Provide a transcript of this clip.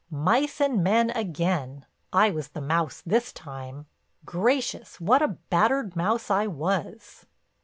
Mice and men again!—I was the mouse this time. Gracious, what a battered mouse I was!